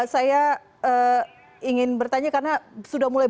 saya ingin bertanya karena sudah mulai